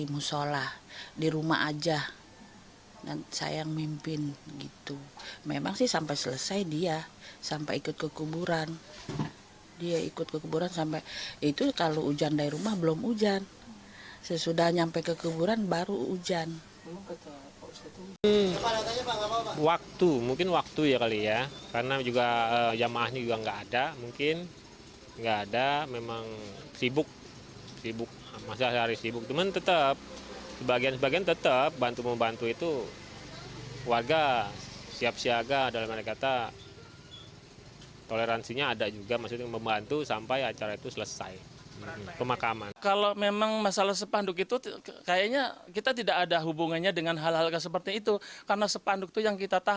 pada jumat malam agar tidak memicu kejadian serupa di waktu yang akan datang